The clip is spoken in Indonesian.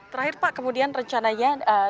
terakhir pak kemudian rencananya